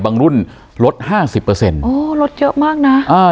บางรุ่นลด๕๐โอ้ลดเยอะมากนะ